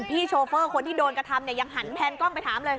โชเฟอร์คนที่โดนกระทำเนี่ยยังหันแพนกล้องไปถามเลย